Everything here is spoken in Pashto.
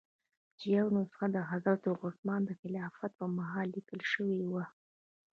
چې یوه نسخه د حضرت عثمان د خلافت په مهال لیکل شوې وه.